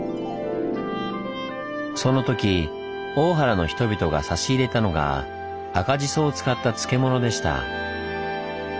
そのとき大原の人々が差し入れたのが赤じそを使った漬物でした。